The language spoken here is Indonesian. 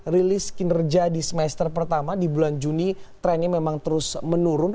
rilis kinerja di semester pertama di bulan juni trennya memang terus menurun